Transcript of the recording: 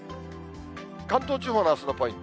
関東地方のあすのポイント。